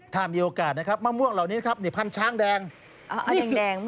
ถ้ามีโอกาสนะครับมะม่วงเหล่านี้นะครับนี่พันช้างแดง